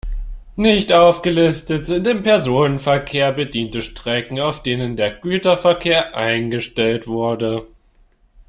Nicht aufgelistet sind im Personenverkehr bediente Strecken, auf denen der Güterverkehr eingestellt wurde.